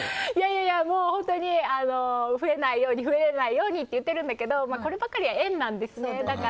いやいや、もう本当に増えないように増えないようにって言ってるんだけどこればかりは縁なんですね。